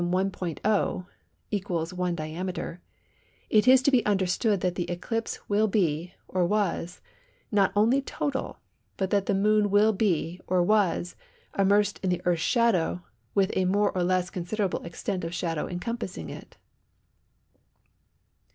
0 (= 1 diameter) it is to be understood that the eclipse will be (or was) not only total, but that the Moon will be (or was) immersed in the Earth's shadow with a more or less considerable extent of shadow encompassing it.